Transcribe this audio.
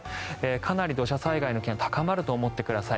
かなり土砂災害の危険高まると思ってください。